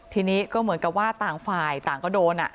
ทีนี้ก็เหมือนกับว่าต่างฝ่ายต่างก็โดน